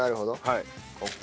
はい。